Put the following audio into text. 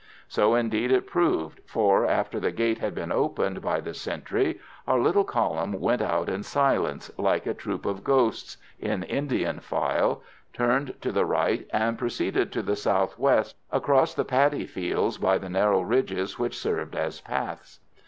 So indeed it proved, for, after the gate had been opened by the sentry, our little column went out in silence, like a troop of ghosts, in Indian file, turned to the right, and proceeded to the south west across the paddy fields by the narrow ridges which served as paths.